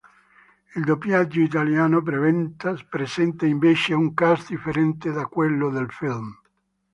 Il doppiaggio italiano presenta invece un cast differente da quello del film.